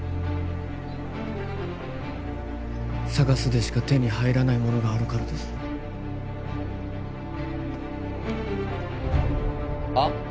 ＳＡＧＡＳでしか手に入らないものがあるからですああ？